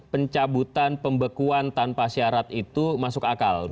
pencabutan pembekuan tanpa syarat itu masuk akal